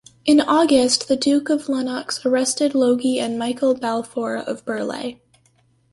In August the Duke of Lennox arrested Logie and Michael Balfour of Burleigh.